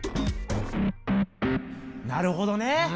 なるほどね！